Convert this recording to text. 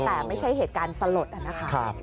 แต่ไม่ใช่เหตุการณ์สลดนะคะ